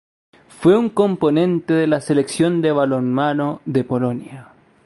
Fue un componente de la Selección de balonmano de Polonia.